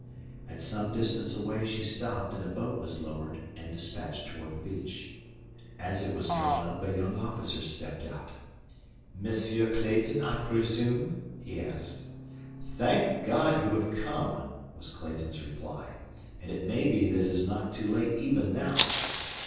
At some distance away she stopped, and a boat was lowered and dispatched toward the beach. As it was drawn up a young officer stepped out. "Monsieur Clayton, I presume?" he asked. "Thank God, you have come!" was Clayton's reply. "And it may be that it is not too late even now."